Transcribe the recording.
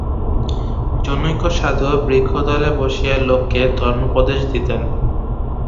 জনৈক সাধু বৃক্ষতলে বসিয়া লোককে ধর্মোপদেশ দিতেন।